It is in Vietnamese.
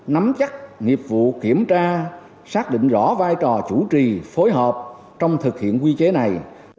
nắm chắc nghiệp vụ kiểm tra xác định rõ vai trò chủ trì phối hợp trong thực hiện quy chế này